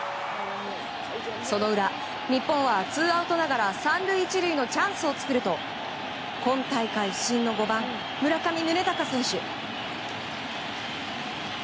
その裏、日本はツーアウトながら３塁１塁のチャンスを作ると今大会不振の５番、村上宗隆選手。